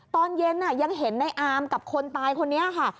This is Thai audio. ตอนเย็นยังเห็นในอามกับคนตายคนนี้ค่ะ